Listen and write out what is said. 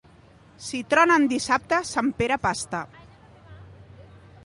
Si trona en dissabte, sant Pere pasta.